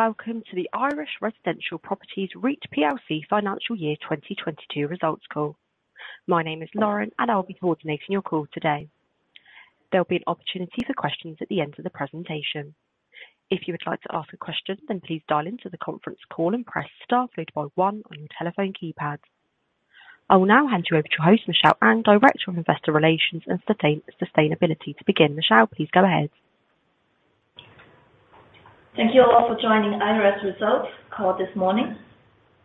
Hello, welcome to the Irish Residential Properties REIT Plc financial year 2022 results call. My name is Lauren, I'll be coordinating your call today. There'll be an opportunity for questions at the end of the presentation. If you would like to ask a question, then please dial into the conference call and press star followed by one on your telephone keypad. I will now hand you over to your host, Michelle Ang, Director of Investor Relations and Sustainability, to begin. Michelle, please go ahead. Thank you all for joining IRES results call this morning.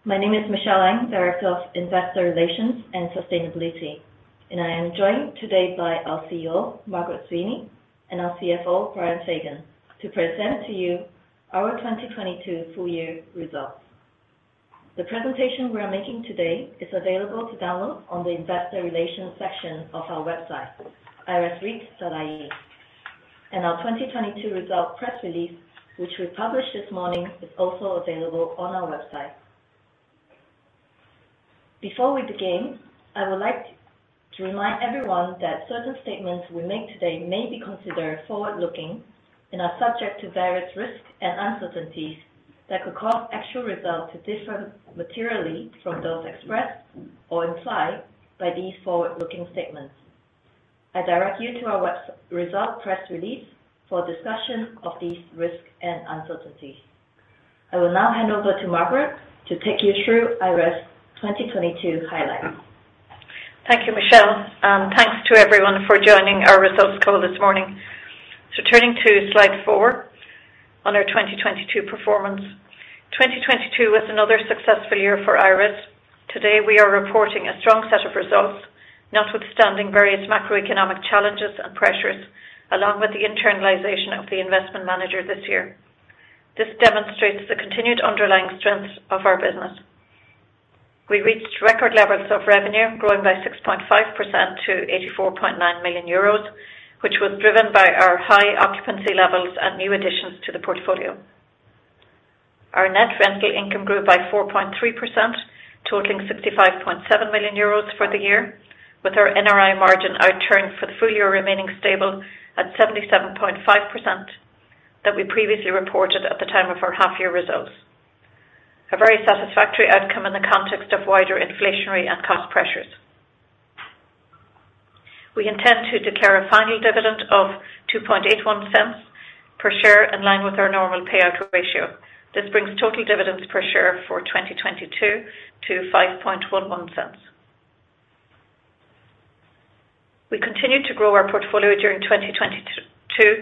My name is Michelle Ang, Director of Investor Relations and Sustainability, and I am joined today by our CEO, Margaret Sweeney, and our CFO, Brian Fagan, to present to you our 2022 full year results. The presentation we are making today is available to download on the investor relations section of our website, iresreit.ie. Our 2022 result press release, which we published this morning, is also available on our website. Before we begin, I would like to remind everyone that certain statements we make today may be considered forward-looking and are subject to various risks and uncertainties that could cause actual results to differ materially from those expressed or implied by these forward-looking statements. I direct you to our result press release for a discussion of these risks and uncertainties. I will now hand over to Margaret to take you through Irish 2022 highlights. Thank you, Michelle, and thanks to everyone for joining our results call this morning. Turning to slide four on our 2022 performance. 2022 was another successful year for IRES. Today, we are reporting a strong set of results, notwithstanding various macroeconomic challenges and pressures, along with the internalization of the investment manager this year. This demonstrates the continued underlying strength of our business. We reached record levels of revenue, growing by 6.5% to 84.9 million euros, which was driven by our high occupancy levels and new additions to the portfolio. Our Net Rental Income grew by 4.3%, totaling 65.7 million euros for the year, with our NRI margin outturn for the full year remaining stable at 77.5% that we previously reported at the time of our half year results. A very satisfactory outcome in the context of wider inflationary and cost pressures. We intend to declare a final dividend of 0.0281 per share in line with our normal payout ratio. This brings total dividends per share for 2022 to EUR 0.0511. We continued to grow our portfolio during 2022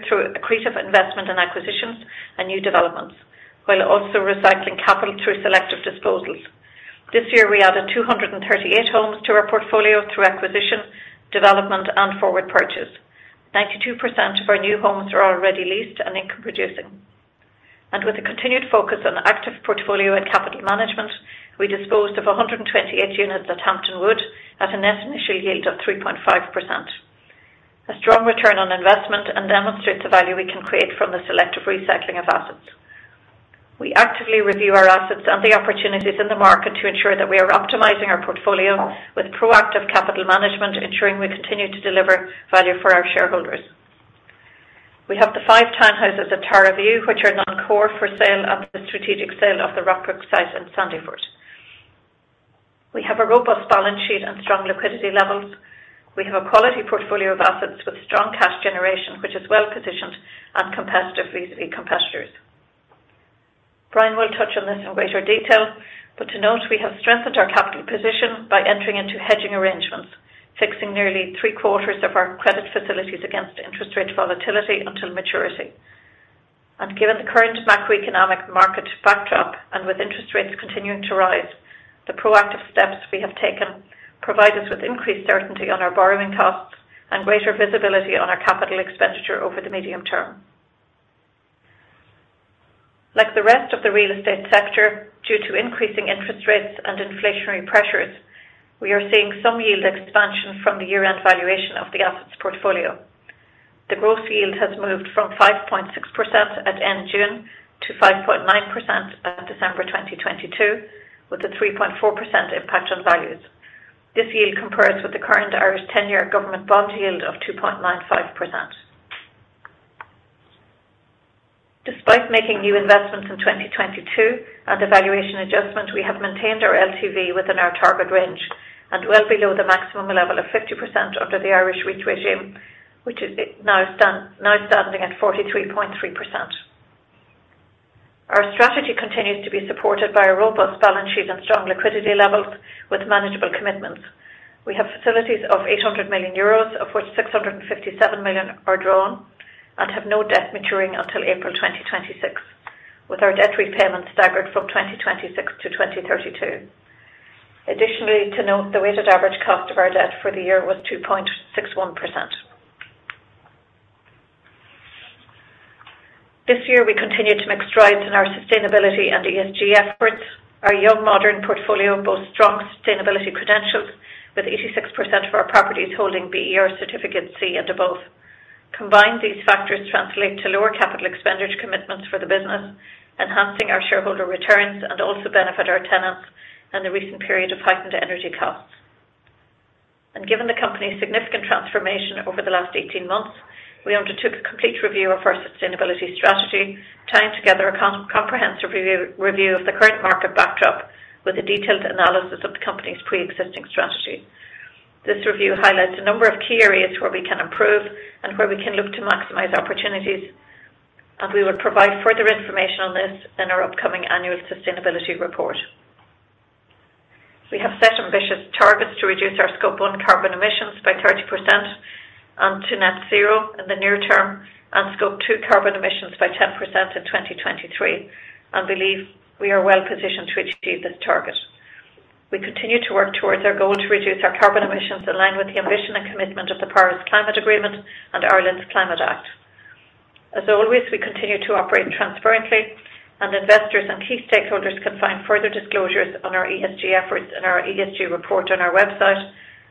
through accretive investment in acquisitions and new developments, while also recycling capital through selective disposals. This year, we added 238 homes to our portfolio through acquisition, development, and forward purchase. 92% of our new homes are already leased and income producing. With a continued focus on active portfolio and capital management, we disposed of 128 units at Hampton Wood at a net initial yield of 3.5%. A strong return on investment and demonstrates the value we can create from the selective recycling of assets. We actively review our assets and the opportunities in the market to ensure that we are optimizing our portfolio with proactive capital management, ensuring we continue to deliver value for our shareholders. We have the five townhouses at Tara View, which are non-core for sale and the strategic sale of the Rockbrook site in Sandyford. We have a robust balance sheet and strong liquidity levels. We have a quality portfolio of assets with strong cash generation, which is well positioned and competitive with competitors. Brian will touch on this in greater detail, but to note, we have strengthened our capital position by entering into hedging arrangements, fixing nearly three-quarters of our credit facilities against interest rate volatility until maturity. Given the current macroeconomic market backdrop and with interest rates continuing to rise, the proactive steps we have taken provide us with increased certainty on our borrowing costs and greater visibility on our capital expenditure over the medium term. Like the rest of the real estate sector, due to increasing interest rates and inflationary pressures, we are seeing some yield expansion from the year-end valuation of the assets portfolio. The gross yield has moved from 5.6% at end June to 5.9% at December 2022, with a 3.4% impact on values. This yield compares with the current Irish 10-year government bond yield of 2.95%. Despite making new investments in 2022 and the valuation adjustment, we have maintained our LTV within our target range and well below the maximum level of 50% under the Irish REIT regime, which is now standing at 43.3%. Our strategy continues to be supported by a robust balance sheet and strong liquidity levels with manageable commitments. We have facilities of 800 million euros, of which 657 million are drawn and have no debt maturing until April 2026, with our debt repayments staggered from 2026 to 2032. Additionally, to note, the weighted average cost of our debt for the year was 2.61%. This year, we continued to make strides in our sustainability and ESG efforts. Our young modern portfolio boasts strong sustainability credentials, with 86% of our properties holding BER Certificate C and above. Combined, these factors translate to lower capital expenditure commitments for the business, enhancing our shareholder returns and also benefit our tenants in the recent period of heightened energy costs. Given the company's significant transformation over the last 18 months, we undertook a complete review of our sustainability strategy, tying together a comprehensive review of the current market backdrop with a detailed analysis of the company's pre-existing strategy. This review highlights a number of key areas where we can improve and where we can look to maximize opportunities, and we will provide further information on this in our upcoming annual sustainability report. We have set ambitious targets to reduce our Scope 1 carbon emissions by 30% and to net zero in the near term and Scope 2 carbon emissions by 10% in 2023. We believe we are well positioned to achieve this target. We continue to work towards our goal to reduce our carbon emissions aligned with the ambition and commitment of the Paris Climate Agreement and Ireland's Climate Act. As always, we continue to operate transparently, and investors and key stakeholders can find further disclosures on our ESG efforts and our ESG report on our website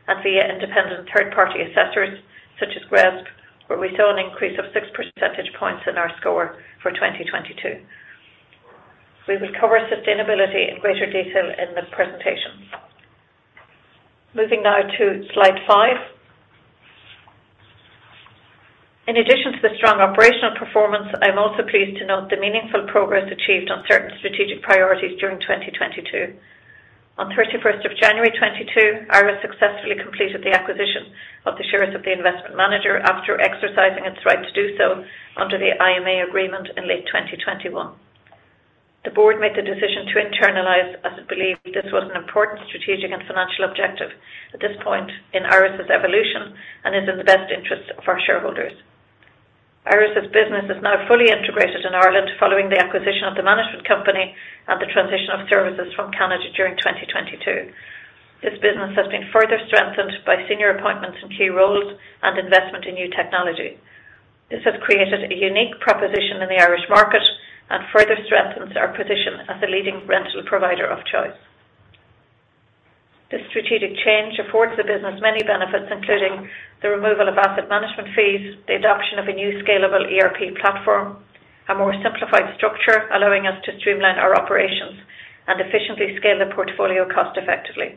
and via independent third party assessors such as GRESB, where we saw an increase of 6 percentage points in our score for 2022. We will cover sustainability in greater detail in the presentation. Moving now to slide five. In addition to the strong operational performance, I'm also pleased to note the meaningful progress achieved on certain strategic priorities during 2022. On 31st of January 2022, IRES successfully completed the acquisition of the shares of the investment manager after exercising its right to do so under the IMA agreement in late 2021. The board made the decision to internalize as it believed this was an important strategic and financial objective at this point in IRES's evolution and is in the best interest for shareholders. IRES's business is now fully integrated in Ireland following the acquisition of the management company and the transition of services from Canada during 2022. This business has been further strengthened by senior appointments in key roles and investment in new technology. This has created a unique proposition in the Irish market and further strengthens our position as a leading rental provider of choice. This strategic change affords the business many benefits, including the removal of asset management fees, the adoption of a new scalable ERP platform, a more simplified structure, allowing us to streamline our operations and efficiently scale the portfolio cost effectively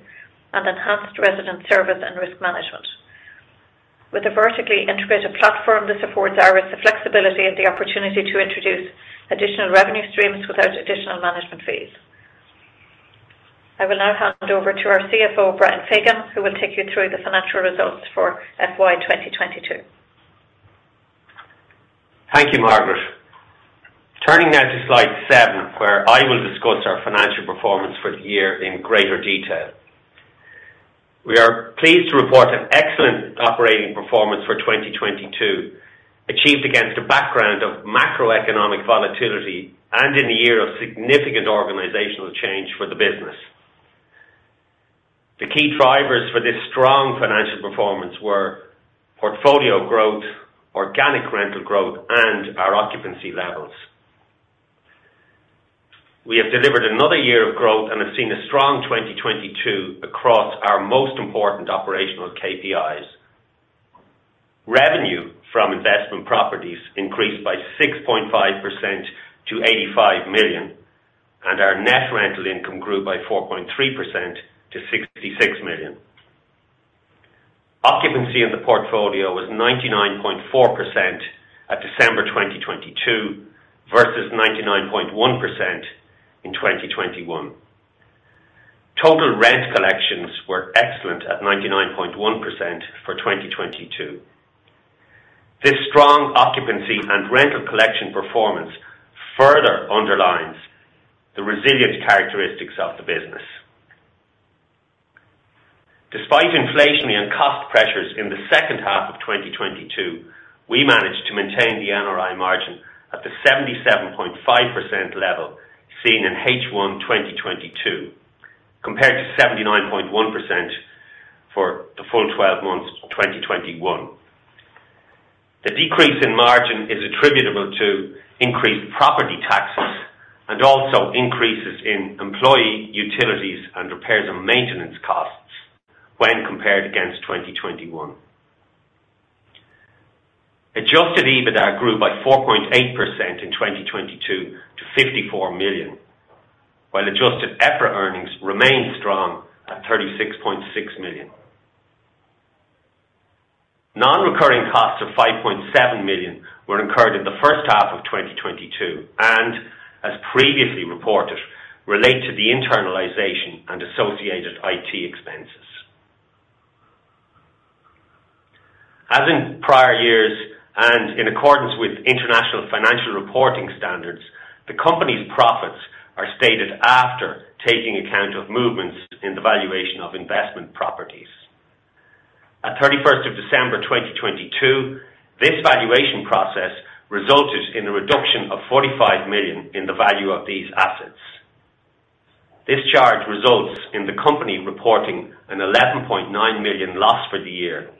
and enhanced resident service and risk management. With a vertically integrated platform, this affords IRES the flexibility and the opportunity to introduce additional revenue streams without additional management fees. I will now hand over to our CFO, Brian Fagan, who will take you through the financial results for FY 2022. Thank you, Margaret. Turning now to slide seven, where I will discuss our financial performance for the year in greater detail. We are pleased to report an excellent operating performance for 2022, achieved against a background of macroeconomic volatility and in a year of significant organizational change for the business. The key drivers for this strong financial performance were portfolio growth, organic rental growth, and our occupancy levels. We have delivered another year of growth and have seen a strong 2022 across our most important operational KPIs. Revenue from investment properties increased by 6.5% to 85 million, our net rental income grew by 4.3% to 66 million. Occupancy in the portfolio was 99.4% at December 2022 versus 99.1% in 2021. Total rent collections were excellent at 99.1% for 2022. This strong occupancy and rental collection performance further underlines the resilient characteristics of the business. Despite inflationary and cost pressures in the second half of 2022, we managed to maintain the NRI margin at the 77.5% level seen in H1 2022, compared to 79.1% for the full 12 months 2021. The decrease in margin is attributable to increased property taxes and also increases in employee utilities and repairs and maintenance costs when compared against 2021. Adjusted EBITDA grew by 4.8% in 2022 to 54 million, while adjusted EPRA earnings remained strong at 36.6 million. Non-recurring costs of 5.7 million were incurred in the first half of 2022 and as previously reported, relate to the internalization and associated IT expenses. As in prior years, and in accordance with International Financial Reporting Standards, the company's profits are stated after taking account of movements in the valuation of investment properties. At 31st of December 2022, this valuation process resulted in a reduction of 45 million in the value of these assets. This charge results in the company reporting an 11.9 million loss for the year,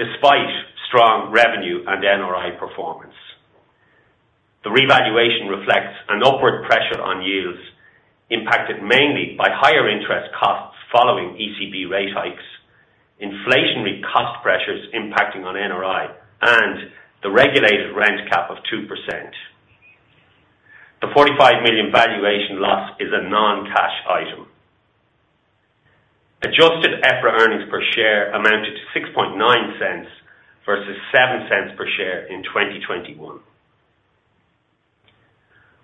despite strong revenue and NRI performance. The revaluation reflects an upward pressure on yields impacted mainly by higher interest costs following ECB rate hikes, inflation-The regulated rent cap of 2%. The 45 million valuation loss is a non-cash item. Adjusted EPRA earnings per share amounted to 0.069 versus 0.07 per share in 2021.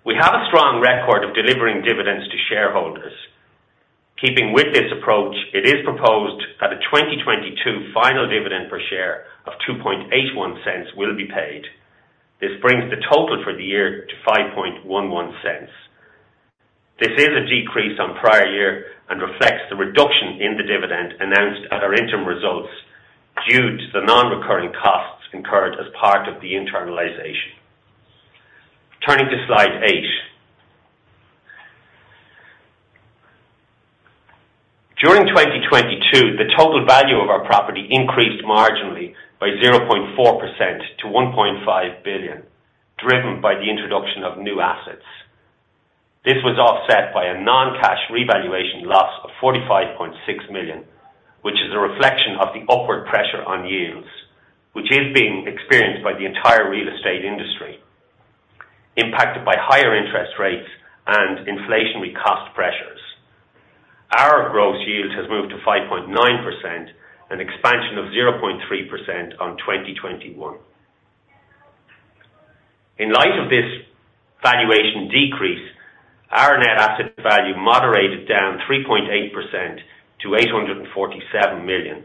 We have a strong record of delivering dividends to shareholders. Keeping with this approach, it is proposed that the 2022 final dividend per share of 0.0281 will be paid. This brings the total for the year to 0.0511. This is a decrease on prior year and reflects the reduction in the dividend announced at our interim results due to the non-recurring costs incurred as part of the internalization. Turning to slide eight. During 2022, the total value of our property increased marginally by 0.4% to 1.5 billion, driven by the introduction of new assets. This was offset by a non-cash revaluation loss of 45.6 million, which is a reflection of the upward pressure on yields, which is being experienced by the entire real estate industry, impacted by higher interest rates and inflationary cost pressures. Our gross yield has moved to 5.9%, an expansion of 0.3% on 2021. In light of this valuation decrease, our net asset value moderated down 3.8% to 847 million,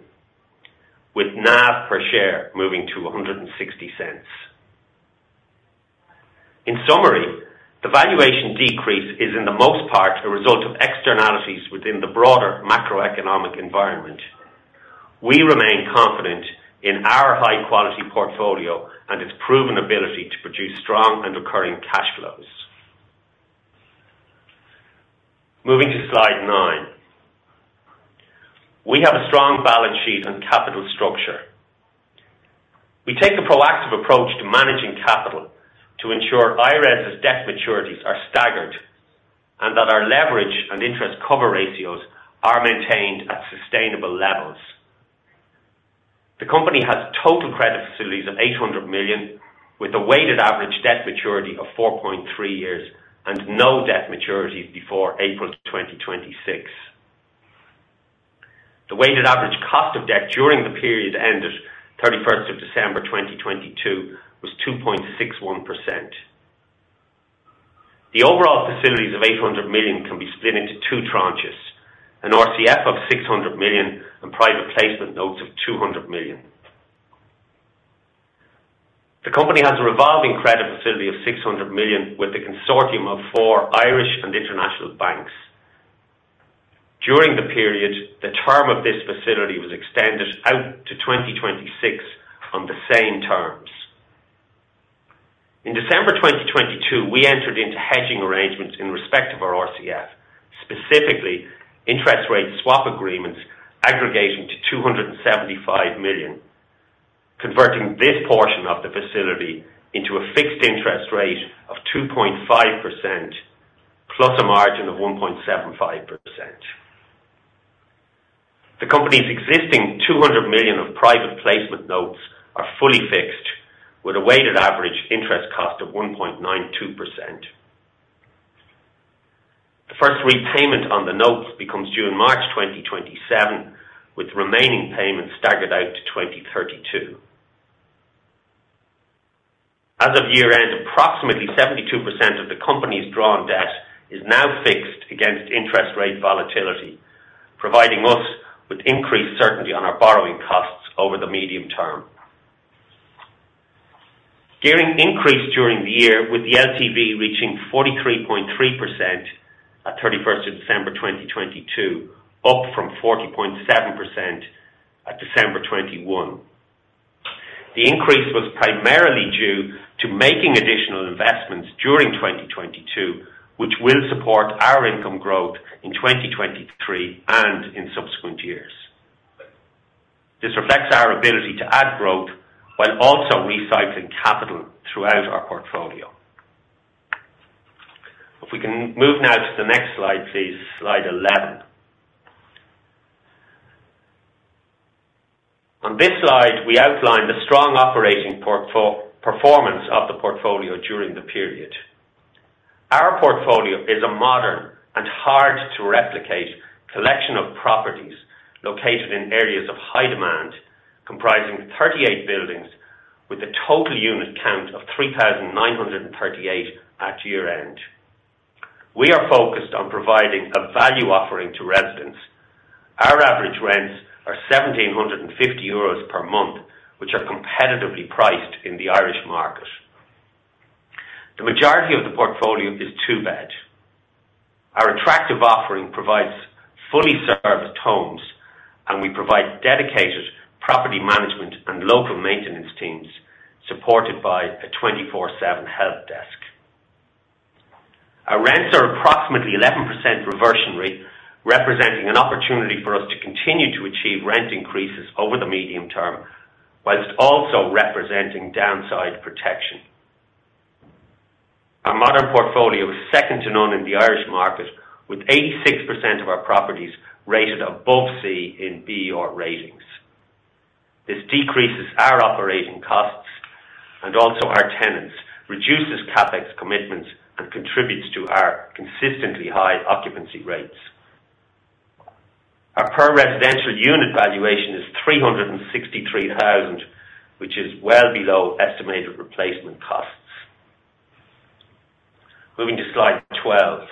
with NAV per share moving to 1.60. In summary, the valuation decrease is in the most part a result of externalities within the broader macroeconomic environment. We remain confident in our high quality portfolio and its proven ability to produce strong and recurring cash flows. Moving to slide nine. We have a strong balance sheet and capital structure. We take a proactive approach to managing capital to ensure IRES' debt maturities are staggered, and that our leverage and interest cover ratios are maintained at sustainable levels. The company has total credit facilities of 800 million, with a weighted average debt maturity of 4.3 years and no debt maturities before April 2026. The weighted average cost of debt during the period ended 31st of December 2022 was 2.61%. The overall facilities of 800 million can be split into two tranches, an RCF of 600 million and private placement notes of 200 million. The company has a revolving credit facility of 600 million with a consortium of four Irish and international banks. During the period, the term of this facility was extended out to 2026 on the same terms. In December 2022, we entered into hedging arrangements in respect of our RCF, specifically interest rate swap agreements aggregating to 275 million, converting this portion of the facility into a fixed interest rate of 2.5% plus a margin of 1.75%. The company's existing 200 million of private placement notes are fully fixed with a weighted average interest cost of 1.92%. The first repayment on the notes becomes due in March 2027, with remaining payments staggered out to 2032. As of year-end, approximately 72% of the company's drawn debt is now fixed against interest rate volatility, providing us with increased certainty on our borrowing costs over the medium term. Gearing increased during the year, with the LTV reaching 43.3% at 31st of December 2022, up from 40.7% at December 2021. The increase was primarily due to making additional investments during 2022, which will support our income growth in 2023 and in subsequent years. This reflects our ability to add growth while also recycling capital throughout our portfolio. We can move now to the next slide, please. Slide 11. On this slide, we outline the strong operating performance of the portfolio during the period. Our portfolio is a modern and hard to replicate collection of properties located in areas of high demand, comprising 38 buildings with a total unit count of 3,938 at year-end. We are focused on providing a value offering to residents. Our average rents are 1,750 euros per month, which are competitively priced in the Irish market. The majority of the portfolio is 2 bed. Our attractive offering provides fully serviced homes, and we provide dedicated property management and local maintenance teams supported by a 24/7 helpdesk. Our rents are approximately 11% reversion rate, representing an opportunity for us to continue to achieve rent increases over the medium term, whilst also representing downside protection. Our portfolio is second to none in the Irish market, with 86% of our properties rated above C in BER ratings. This decreases our operating costs and also our tenants, reduces CapEx commitments, and contributes to our consistently high occupancy rates. Our per residential unit valuation is 363,000, which is well below estimated replacement costs. Moving to slide 12.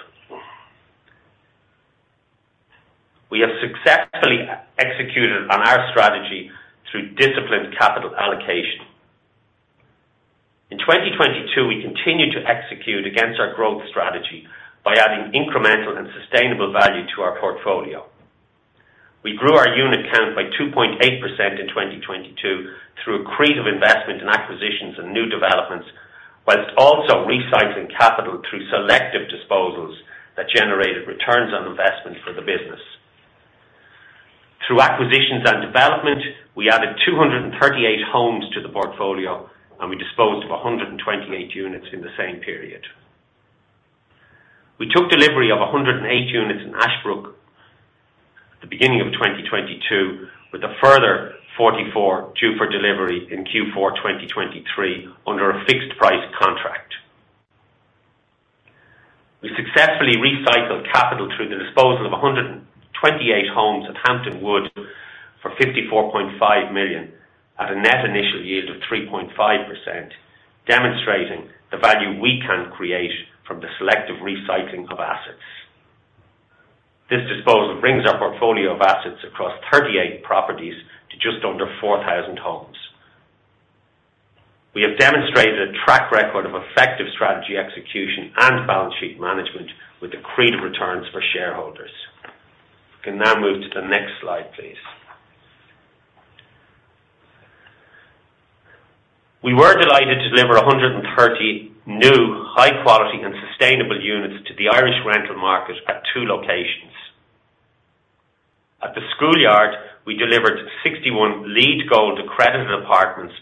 We have successfully executed on our strategy through disciplined capital allocation. In 2022, we continued to execute against our growth strategy by adding incremental and sustainable value to our portfolio. We grew our unit count by 2.8% in 2022 through accretive investment in acquisitions and new developments, while also recycling capital through selective disposals that generated returns on investment for the business. Through acquisitions and development, we added 238 homes to the portfolio, and we disposed of 128 units in the same period. We took delivery of 108 units in Ashbrook at the beginning of 2022, with a further 44 due for delivery in Q4 2023 under a fixed price contract. We successfully recycled capital through the disposal of 128 homes at Hampton Wood for 54.5 million at a net initial yield of 3.5%, demonstrating the value we can create from the selective recycling of assets. This disposal brings our portfolio of assets across 38 properties to just under 4,000 homes. We have demonstrated a track record of effective strategy execution and balance sheet management with accretive returns for shareholders. We can now move to the next slide, please. We were delighted to deliver 130 new high quality and sustainable units to the Irish rental market at two locations. At The School Yard, we delivered 61 LEED Gold accredited apartments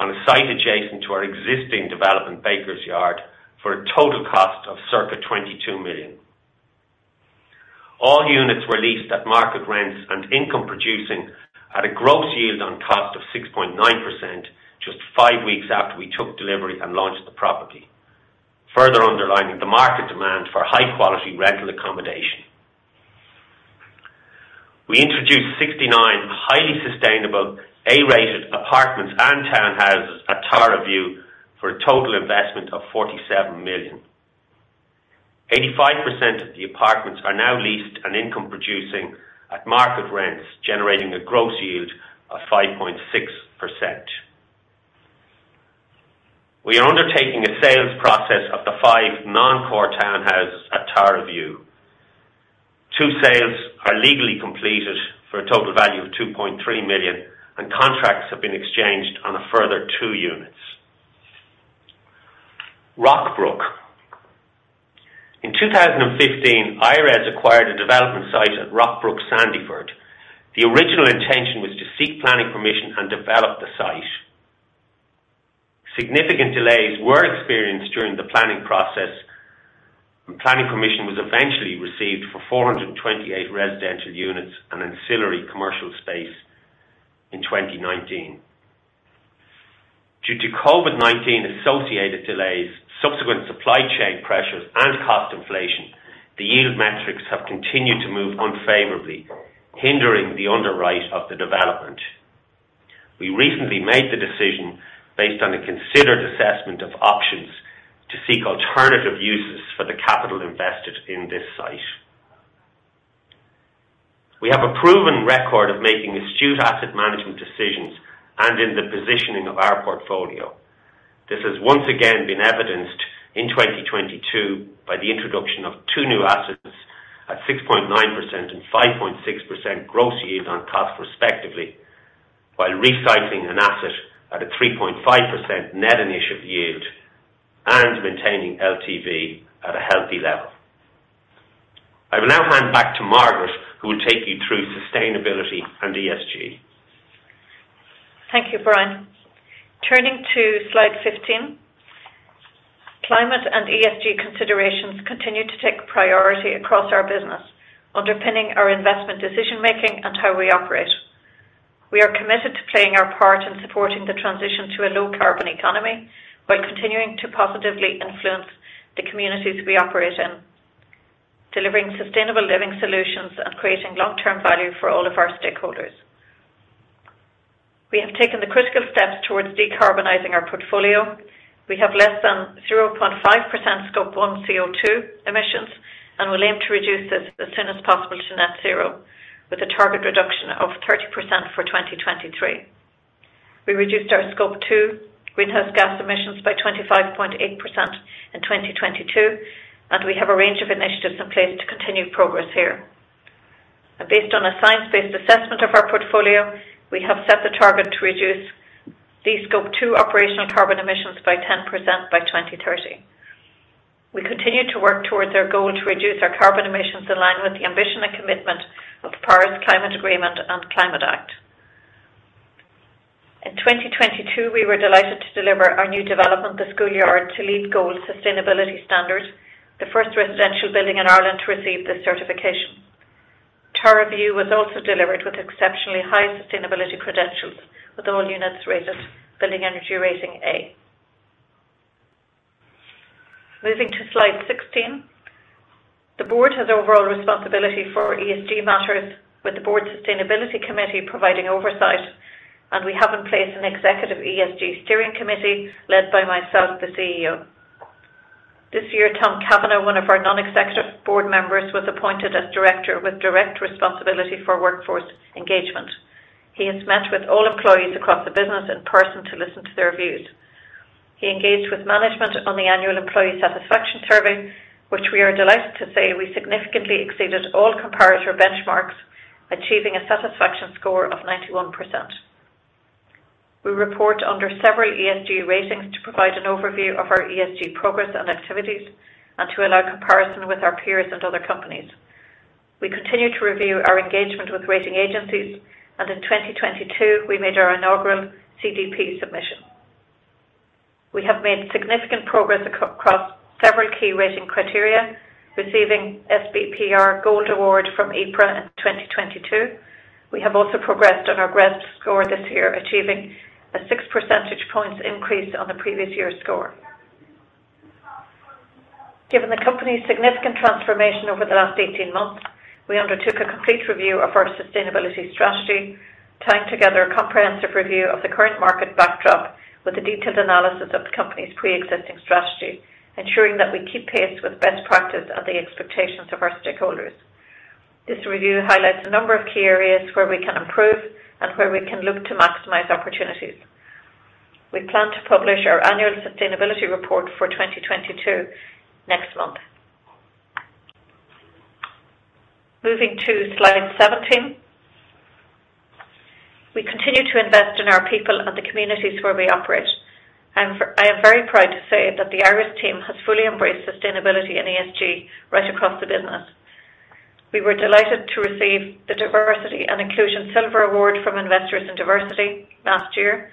on a site adjacent to our existing development, Bakers Yard, for a total cost of circa 22 million. All units were leased at market rents and income producing at a gross yield on cost of 6.9% just five weeks after we took delivery and launched the property, further underlining the market demand for high quality rental accommodation. We introduced 69 highly sustainable A-rated apartments and townhouses at Tara View for a total investment of 47 million. 85% of the apartments are now leased and income producing at market rents, generating a gross yield of 5.6%. We are undertaking a sales process of the five non-core townhouses at Tara View. Two sales are legally completed for a total value of 2.3 million, and contracts have been exchanged on a further two units. Rockbrook. In 2015, IRES acquired a development site at Rockbrook Sandyford. The original intention was to seek planning permission and develop the site. Significant delays were experienced during the planning process. Planning permission was eventually received for 428 residential units and ancillary commercial space in 2019. Due to COVID-19 associated delays, subsequent supply chain pressures, and cost inflation, the yield metrics have continued to move unfavorably, hindering the underwrite of the development. We recently made the decision based on a considered assessment of options to seek alternative uses for the capital invested in this site. We have a proven record of making astute asset management decisions and in the positioning of our portfolio. This has once again been evidenced in 2022 by the introduction of two new assets at 6.9% and 5.6% gross yield on cost respectively, while recycling an asset at a 3.5% net initial yield and maintaining LTV at a healthy level. I will now hand back to Margaret, who will take you through sustainability and ESG. Thank you, Brian. Turning to slide 15. Climate and ESG considerations continue to take priority across our business, underpinning our investment decision making and how we operate. We are committed to playing our part in supporting the transition to a low carbon economy while continuing to positively influence the communities we operate in, delivering sustainable living solutions and creating long-term value for all of our stakeholders. We have taken the critical steps towards decarbonizing our portfolio. We have less than 0.5% Scope 1 CO2 emissions. We'll aim to reduce this as soon as possible to net zero with a target reduction of 30% for 2023. We reduced our Scope 2 greenhouse gas emissions by 25.8% in 2022. We have a range of initiatives in place to continue progress here. Based on a science-based assessment of our portfolio, we have set the target to reduce these Scope 2 operational carbon emissions by 10% by 2030. We continue to work towards our goal to reduce our carbon emissions in line with the ambition and commitment of the Paris Agreement and Climate Act. In 2022, we were delighted to deliver our new development, The School Yard, to LEED Gold sustainability standard, the first residential building in Ireland to receive this certification. Tara View was also delivered with exceptionally high sustainability credentials, with all units rated Building Energy Rating A. Moving to slide 16. The board has overall responsibility for ESG matters, with the board sustainability committee providing oversight, and we have in place an executive ESG steering committee led by myself, the CEO. This year, Tom Kavanagh, one of our non-executive board members, was appointed as director with direct responsibility for workforce engagement. He has met with all employees across the business in person to listen to their views. He engaged with management on the annual employee satisfaction survey, which we are delighted to say we significantly exceeded all comparator benchmarks, achieving a satisfaction score of 91%. We report under several ESG ratings to provide an overview of our ESG progress and activities and to allow comparison with our peers and other companies. We continue to review our engagement with rating agencies, and in 2022, we made our inaugural CDP submission. We have made significant progress across several key rating criteria, receiving sBPR Gold award from EPRA in 2022. We have also progressed on our GRESB score this year, achieving a 6 percentage points increase on the previous year's score. Given the company's significant transformation over the last 18 months, we undertook a complete review of our sustainability strategy, tying together a comprehensive review of the current market backdrop with a detailed analysis of the company's pre-existing strategy, ensuring that we keep pace with best practice and the expectations of our stakeholders. This review highlights a number of key areas where we can improve and where we can look to maximize opportunities. We plan to publish our annual sustainability report for 2022 next month. Moving to slide 17. We continue to invest in our people and the communities where we operate. I am very proud to say that the IRES team has fully embraced sustainability and ESG right across the business. We were delighted to receive the Diversity and Inclusion Silver Award from Investors in Diversity last year.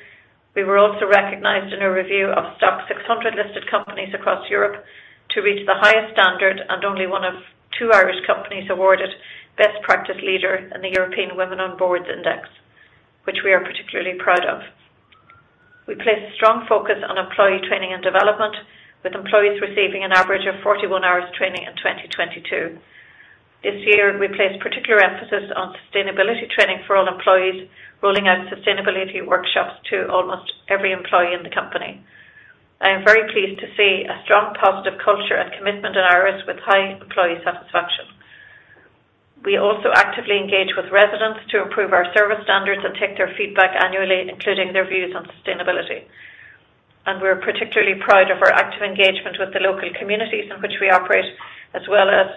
We were also recognized in a review of STOXX 600 listed companies across Europe to reach the highest standard and only one of two Irish companies awarded Best Practice Leader in the European Women on Boards Index, which we are particularly proud of. We place a strong focus on employee training and development, with employees receiving an average of 41 hours training in 2022. This year, we placed particular emphasis on sustainability training for all employees, rolling out sustainability workshops to almost every employee in the company. I am very pleased to see a strong positive culture and commitment in IRES with high employee satisfaction. We also actively engage with residents to improve our service standards and take their feedback annually, including their views on sustainability. We're particularly proud of our active engagement with the local communities in which we operate, as well as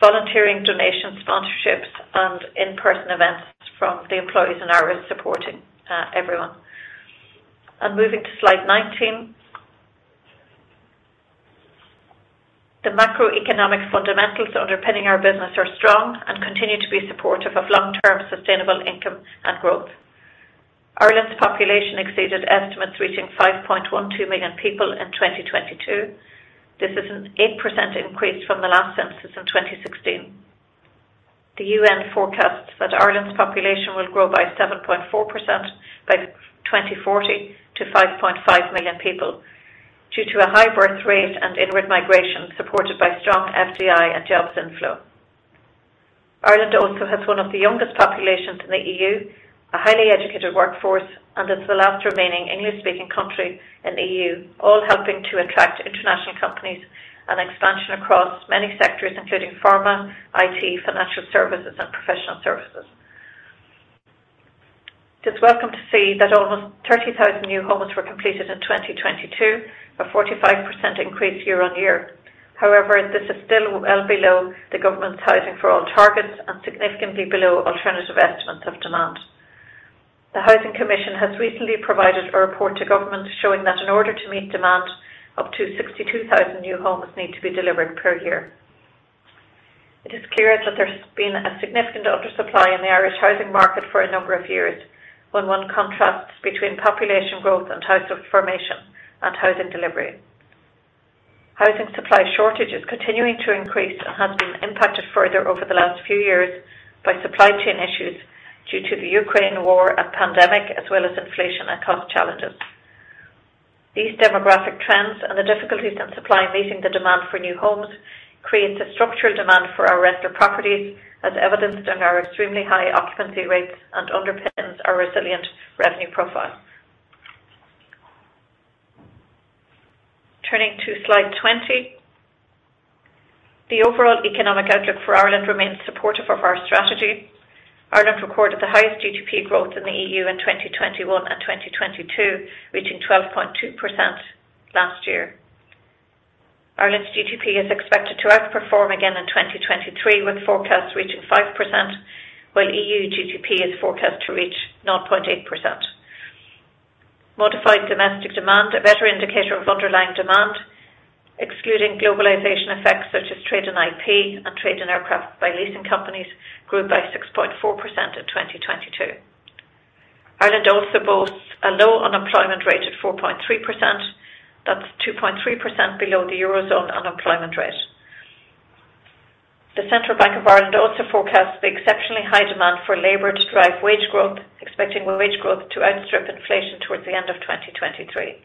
volunteering, donations, sponsorships, and in-person events from the employees in IRES supporting everyone. Moving to slide 19. The macroeconomic fundamentals underpinning our business are strong and continue to be supportive of long-term sustainable income and growth. Ireland's population exceeded estimates reaching 5.12 million people in 2022. This is an 8% increase from the last census in 2016. The UN forecasts that Ireland's population will grow by 7.4% by 2040 to 5.5 million people due to a high birth rate and inward migration supported by strong FDI and jobs inflow. Ireland also has one of the youngest populations in the EU, a highly educated workforce, and is the last remaining English-speaking country in EU, all helping to attract international companies and expansion across many sectors, including pharma, IT, financial services, and professional services. It is welcome to see that almost 30,000 new homes were completed in 2022, a 45% increase year-over-year. This is still well below the government's Housing for All targets and significantly below alternative estimates of demand. The Housing Commission has recently provided a report to government showing that in order to meet demand, up to 62,000 new homes need to be delivered per year. It is clear that there's been a significant undersupply in the Irish housing market for a number of years when one contrasts between population growth and household formation and housing delivery. Housing supply shortage is continuing to increase and has been impacted further over the last few years by supply chain issues due to the Ukraine War and pandemic, as well as inflation and cost challenges. These demographic trends and the difficulties in supply meeting the demand for new homes creates a structural demand for our rental properties as evidenced in our extremely high occupancy rates and underpins our resilient revenue profile. Turning to slide 20. The overall economic outlook for Ireland remains supportive of our strategy. Ireland recorded the highest GDP growth in the EU in 2021 and 2022, reaching 12.2% last year. Ireland's GDP is expected to outperform again in 2023, with forecasts reaching 5%, while EU GDP is forecast to reach 0.8%. Modified domestic demand, a better indicator of underlying demand excluding globalization effects such as trade in IP and trade in aircraft by leasing companies grew by 6.4% in 2022. Ireland also boasts a low unemployment rate of 4.3%. That's 2.3% below the Eurozone unemployment rate. The Central Bank of Ireland also forecasts the exceptionally high demand for labor to drive wage growth, expecting wage growth to outstrip inflation towards the end of 2023.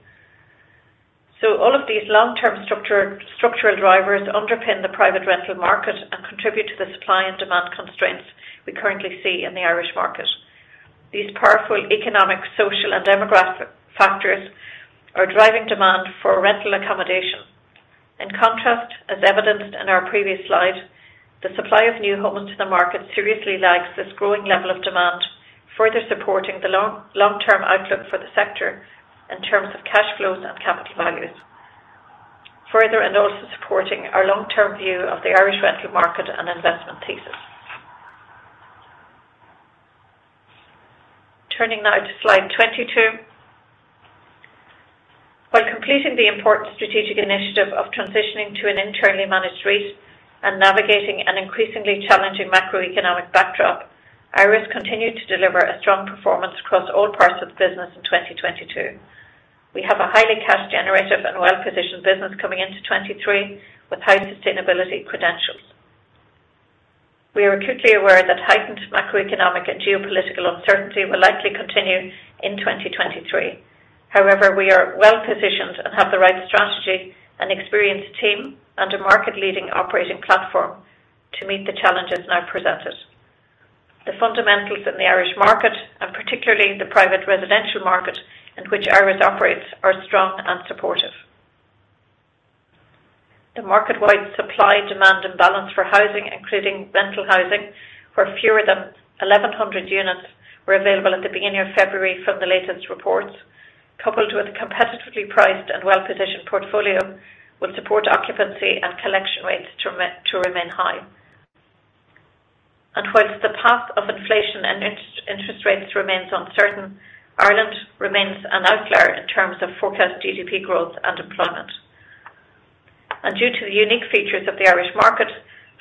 All of these long-term structural drivers underpin the private rental market and contribute to the supply and demand constraints we currently see in the Irish market. These powerful economic, social, and demographic factors are driving demand for rental accommodation. In contrast, as evidenced in our previous slide, the supply of new homes to the market seriously lags this growing level of demand, further supporting the long-term outlook for the sector in terms of cash flows and capital values. Also supporting our long-term view of the Irish rental market and investment thesis. Turning now to slide 22. While completing the important strategic initiative of transitioning to an internally managed REIT and navigating an increasingly challenging macroeconomic backdrop, IRES continued to deliver a strong performance across all parts of the business in 2022. We have a highly cash generative and well-positioned business coming into 2023 with high sustainability credentials. We are acutely aware that heightened macroeconomic and geopolitical uncertainty will likely continue in 2023. We are well positioned and have the right strategy and experienced team and a market-leading operating platform to meet the challenges now presented. The fundamentals in the Irish market, and particularly the private residential market in which IRES operates, are strong and supportive. The market-wide supply, demand, and balance for housing, including rental housing, where fewer than 1,100 units were available at the beginning of February from the latest reports, coupled with a competitively priced and well-positioned portfolio, will support occupancy and collection rates to remain high. Whilst the path of inflation and interest rates remains uncertain, Ireland remains an outlier in terms of forecast GDP growth and deployment. Due to the unique features of the Irish market,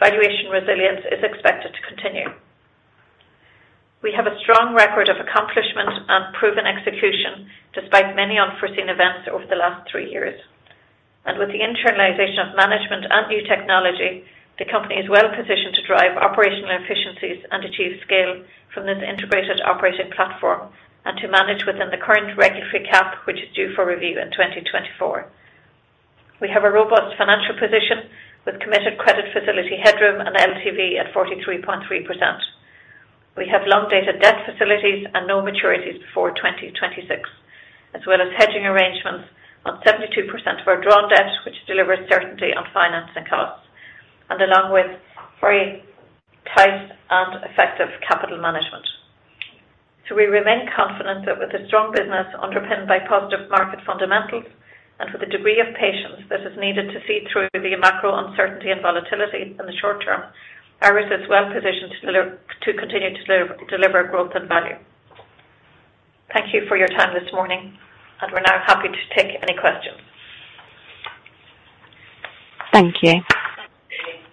valuation resilience is expected to continue. We have a strong record of accomplishment and proven execution despite many unforeseen events over the last three years. With the internalization of management and new technology, the company is well positioned to drive operational efficiencies and achieve scale from this integrated operating platform and to manage within the current regulatory cap, which is due for review in 2024. We have a robust financial position with committed credit facility headroom and LTV at 43.3%. We have long dated debt facilities and no maturities before 2026, as well as hedging arrangements on 72% of our drawn debt, which delivers certainty on financing costs and along with very tight and effective capital management. We remain confident that with a strong business underpinned by positive market fundamentals and with a degree of patience that is needed to see through the macro uncertainty and volatility in the short term, IRES is well positioned to continue to deliver growth and value. Thank you for your time this morning, and we're now happy to take any questions. Thank you.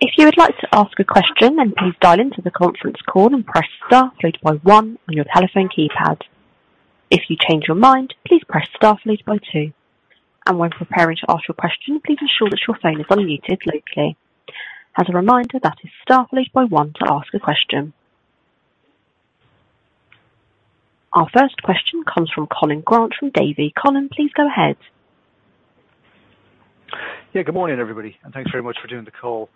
If you would like to ask a question, then please dial into the conference call and press star followed by one on your telephone keypad. If you change your mind, please press star followed by two. When preparing to ask your question, please ensure that your phone is unmuted locally. As a reminder, that is star followed by one to ask a question. Our first question comes from Colin Grant from Davy. Colin, please go ahead. Yeah, good morning, everybody, and thanks very much for doing the call.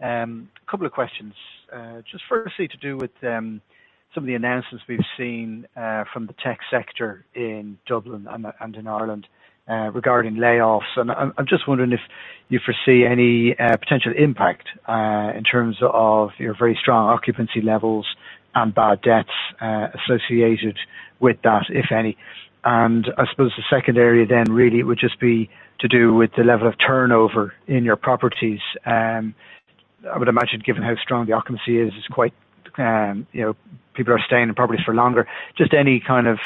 Couple of questions. Just firstly to do with some of the announcements we've seen from the tech sector in Dublin and in Ireland, regarding layoffs. I'm just wondering if you foresee any potential impact in terms of your very strong occupancy levels and bad debts associated with that, if any. I suppose the second area then really would just be to do with the level of turnover in your properties. I would imagine given how strong the occupancy is, it's quite, you know, people are staying in properties for longer. Just any kind of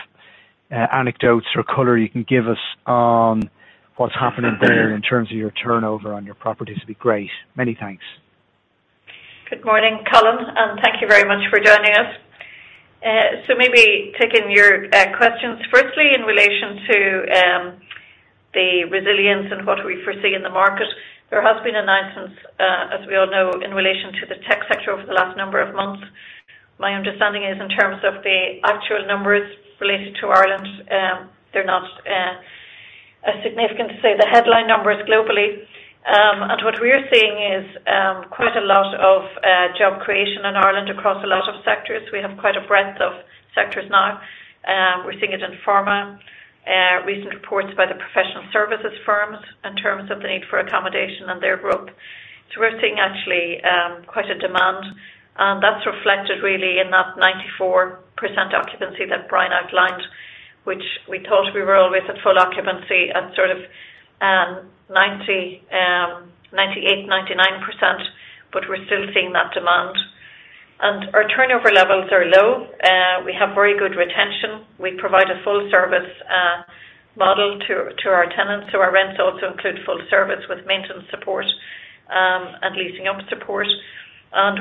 anecdotes or color you can give us on what's happening there in terms of your turnover on your properties would be great. Many thanks. Good morning, Colin, thank you very much for joining us. Maybe taking your questions. Firstly, in relation to the resilience and what we foresee in the market. There has been announcements, as we all know, in relation to the tech sector over the last number of months. My understanding is in terms of the actual numbers related to Ireland, they're not as significant to say the headline numbers globally. What we're seeing is quite a lot of job creation in Ireland across a lot of sectors. We have quite a breadth of sectors now. We're seeing it in pharma. Recent reports by the professional services firms in terms of the need for accommodation and their group. We're seeing actually quite a demand, and that's reflected really in that 94% occupancy that Brian outlined, which we thought we were always at full occupancy at sort of 90%, 98%, 99%, but we're still seeing that demand. Our turnover levels are low. We have very good retention. We provide a full service model to our tenants. Our rents also include full service with maintenance support and leasing up support.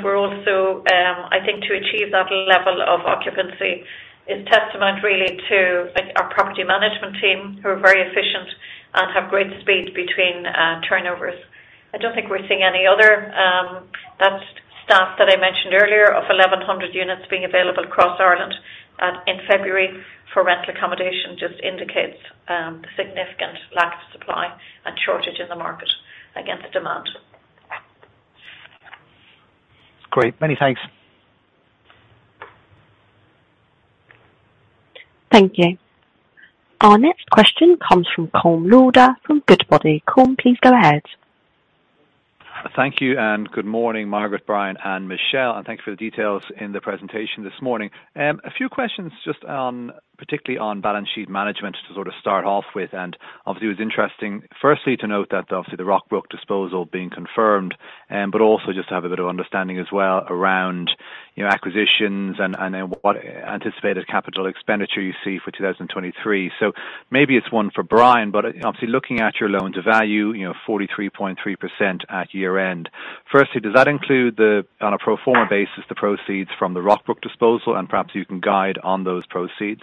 We're also, I think to achieve that level of occupancy is testament really to, like, our property management team, who are very efficient and have great speed between turnovers. I don't think we're seeing any other, that's stuff that I mentioned earlier of 1,100 units being available across Ireland, in February for rental accommodation just indicates the significant lack of supply and shortage in the market against the demand. Great. Many thanks. Thank you. Our next question comes from Colm Lauder from Goodbody. Colm, please go ahead. Thank you, good morning, Margaret, Brian, and Michelle, and thanks for the details in the presentation this morning. A few questions just particularly on balance sheet management to sort of start off with, obviously, it was interesting firstly to note that obviously the Rockbrook disposal being confirmed, also just to have a bit of understanding as well around, you know, acquisitions and, then what anticipated capital expenditure you see for 2023. Maybe it's one for Brian, obviously looking at your loan to value, you know, 43.3% at year-end. Firstly, does that include on a pro forma basis, the proceeds from the Rockbrook disposal, perhaps you can guide on those proceeds.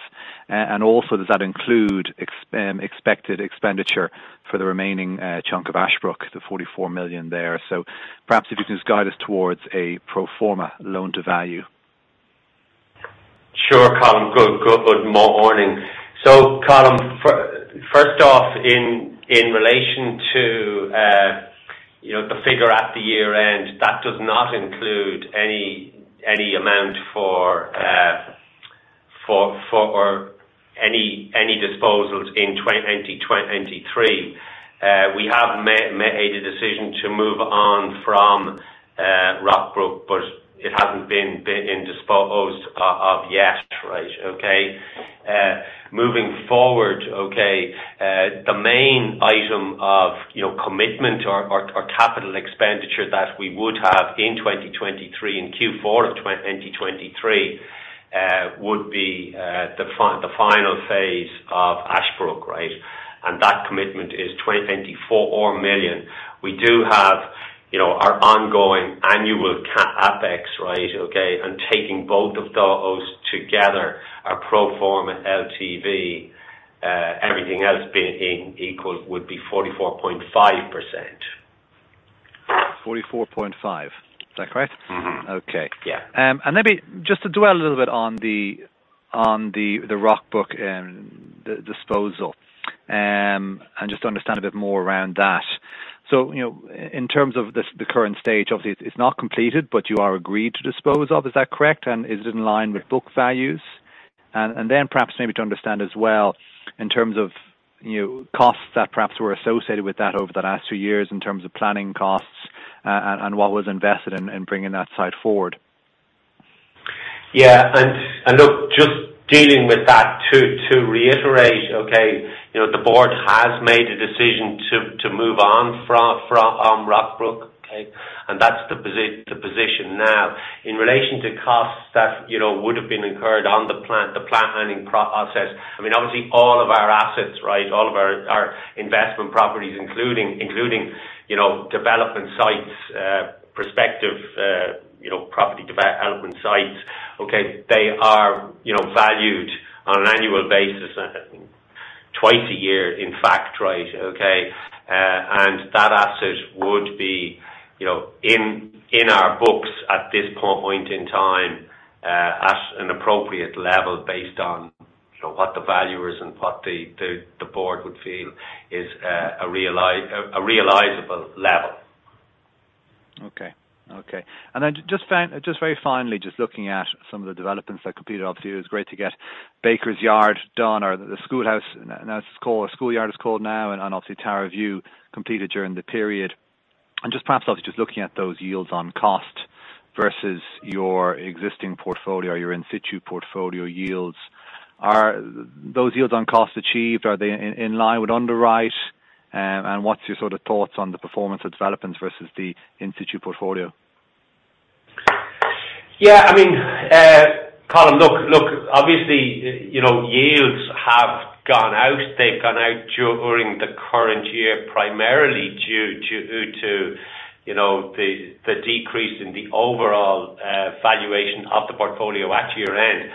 Also does that include expected expenditure for the remaining chunk of Ashbrook, the 44 million there? Perhaps if you can just guide us towards a pro forma loan to value. Sure, Colm. Good morning. Colm, first off, in relation to, you know, the figure at the year-end, that does not include any amount for or any disposals in 2023. We have made a decision to move on from Rockbrook, but it hasn't been disposed of yet. Right. Okay. Moving forward, okay, the main item of, you know, commitment or capital expenditure that we would have in 2023, in Q4 of 2023, would be the final phase of Ashbrook, right? That commitment is 24 million. We do have, you know, our ongoing annual CapEx, right? Okay. Taking both of those together, our pro forma LTV, everything else being equal, would be 44.5%. 44.5. Is that correct? Mm-hmm. Okay. Yeah. Maybe just to dwell a little bit on the Rockbrook disposal, and just to understand a bit more around that. You know, in terms of this, the current stage, obviously it's not completed, but you are agreed to dispose of, is that correct? Is it in line with book values? Then perhaps maybe to understand as well in terms of, you know, costs that perhaps were associated with that over the last two years in terms of planning costs, and what was invested in bringing that site forward. Yeah. Look, just dealing with that to reiterate, okay, you know, the board has made a decision to move on from Rockbrook, okay? That's the position now. In relation to costs that, you know, would have been incurred on the plan, the planning process, I mean, obviously all of our assets, right? All of our investment properties, including, you know, development sites, prospective, you know, property development sites, okay, they are, you know, valued on an annual basis twice a year, in fact, right? Okay. And that asset would be, you know, in our books at this point in time, at an appropriate level based on, you know, what the value is and what the, the board would feel is a realizable level. Okay. Okay. Just very finally, just looking at some of the developments that completed, obviously it was great to get Bakers Yard done or the Schoolhouse, as it's called, or Schoolyard it's called now, and obviously Tara View completed during the period. Just perhaps obviously just looking at those yields on cost versus your existing portfolio or your in situ portfolio yields. Are those yields on cost achieved? Are they in line with underwrite? What's your sort of thoughts on the performance of developments versus the in-situ portfolio? Yeah, I mean, Colm, look, obviously, you know, yields have gone out. They've gone out during the current year, primarily due to, you know, the decrease in the overall valuation of the portfolio at year-end.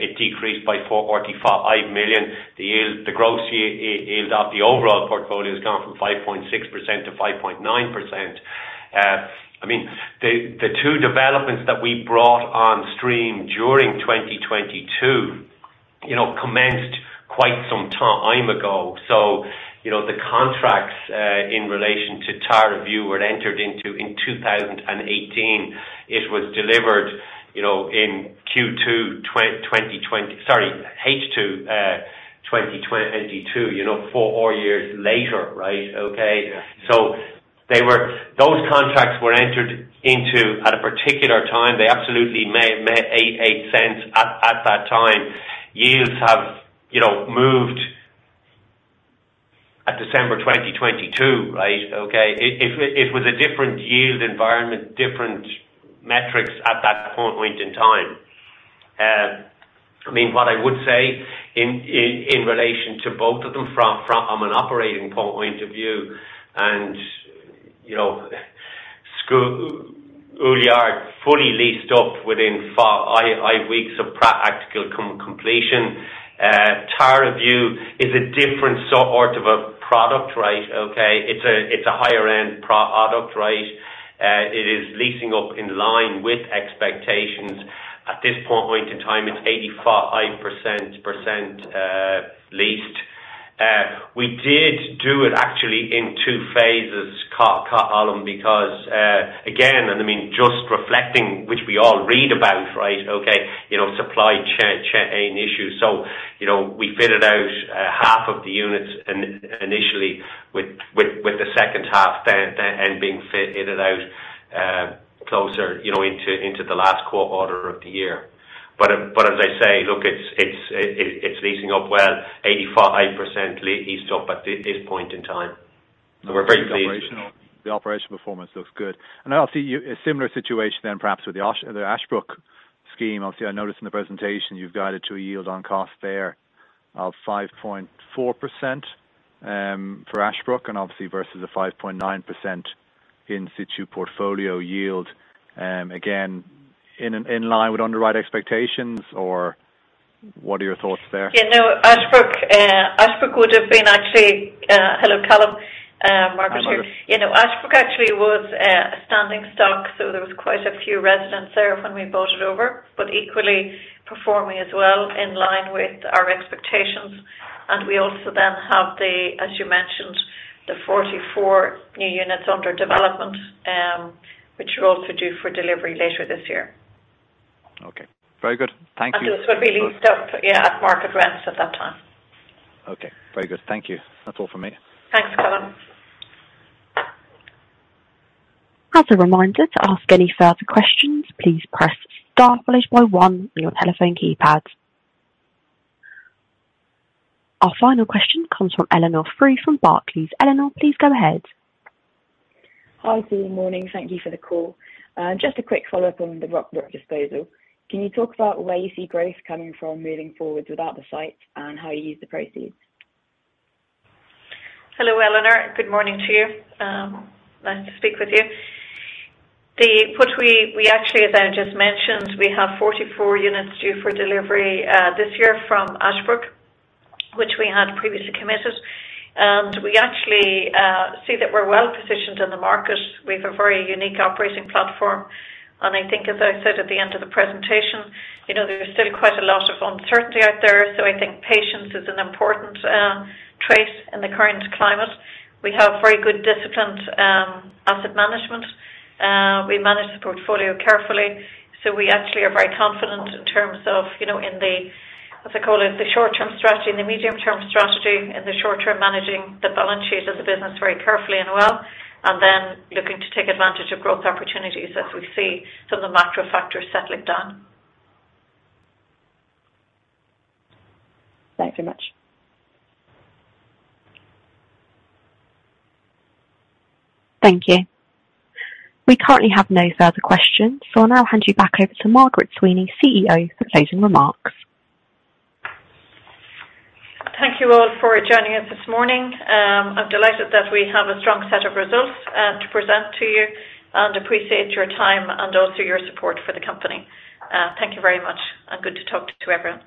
It decreased by 4 million or 5 million. The yield, the gross yield of the overall portfolio has gone from 5.6% to 5.9%. I mean, the two developments that we brought on stream during 2022, you know, commenced quite some time ago. You know, the contracts in relation to Tara View were entered into in 2018. It was delivered, you know, in Sorry, H2 2022, you know, four years later, right? Okay. Yeah. Those contracts were entered into at a particular time. They absolutely made sense at that time. Yields have, you know, moved December 2022, right? Okay. It was a different yield environment, different metrics at that point in time. I mean, what I would say in relation to both of them from an operating point of view and, you know, The School Yard are fully leased up within eight weeks of practical completion. Tara View is a different sort of a product, right? Okay. It's a higher end product, right? It is leasing up in line with expectations. At this point in time, it's 85% leased. We did do it actually in two phases, Colm, because, again, and I mean, just reflecting, which we all read about, right? Okay. You know, supply chain issues. You know, we fitted out half of the units initially with the second half then, and being fitted out closer, you know, into the last quarter of the year. As I say, look, it's leasing up well 85% leased up at this point in time. We're very pleased. The operational performance looks good. I see a similar situation then perhaps with the Ashbrook scheme. Obviously, I noticed in the presentation you've guided to a yield on cost there of 5.4% for Ashbrook and obviously versus a 5.9% in situ portfolio yield. Again, in line with underwrite expectations or what are your thoughts there? No. Ashbrook would have been actually, hello, Colm, Margaret here. You know, Ashbrook actually was a standing stock, so there was quite a few residents there when we bought it over, but equally performing as well in line with our expectations. We also then have the, as you mentioned, the 44 new units under development, which are also due for delivery later this year. Okay. Very good. Thank you. Those will be leased up, yeah, at market rents at that time. Okay. Very good. Thank you. That's all for me. Thanks, Colm. As a reminder to ask any further questions, please press star followed by one on your telephone keypads. Our final question comes from Eleanor Frew from Barclays. Eleanor, please go ahead. Hi. Good morning. Thank you for the call. Just a quick follow-up on the Rockbrook disposal. Can you talk about where you see growth coming from moving forward without the site and how you use the proceeds? Hello, Eleanor. Good morning to you. Nice to speak with you. What we actually, as I just mentioned, we have 44 units due for delivery this year from Ashbrook, which we had previously committed. We actually see that we're well positioned in the market. We've a very unique operating platform. I think as I said at the end of the presentation, you know, there's still quite a lot of uncertainty out there. I think patience is an important trait in the current climate. We have very good disciplined asset management. We manage the portfolio carefully. We actually are very confident in terms of, you know, in the, as I call it, the short-term strategy and the medium-term strategy. In the short term, managing the balance sheet of the business very carefully and well, then looking to take advantage of growth opportunities as we see some of the macro factors settling down. Thanks very much. Thank you. We currently have no further questions, so I'll now hand you back over to Margaret Sweeney, CEO, for closing remarks. Thank you all for joining us this morning. I'm delighted that we have a strong set of results to present to you and appreciate your time and also your support for the company. Thank you very much and good to talk to everyone.